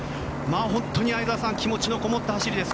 本当に相澤さん気持ちのこもった走りです。